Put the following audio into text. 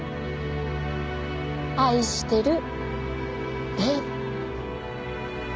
愛してる玲。